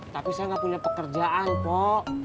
tapi saya nggak punya pekerjaan dok